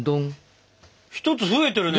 １つ増えてるね